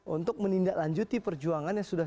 untuk menindaklanjuti perjuangan yang sudah